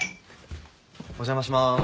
お邪魔しまーす。